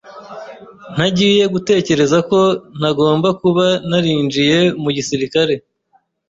Ntangiye gutekereza ko ntagomba kuba narinjiye mu gisirikare.